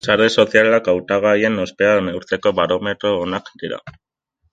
Sare sozialak hautagaien ospea neurtzeko barometro onak dira.